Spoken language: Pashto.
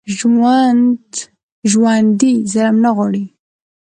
ژوندي ظلم نه غواړي